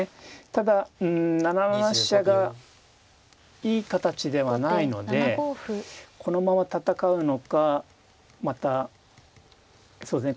ただ７七飛車がいい形ではないのでこのまま戦うのかまたそうですね